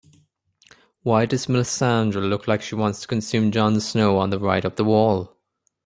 Why does Melissandre look like she wants to consume Jon Snow on the ride up the wall?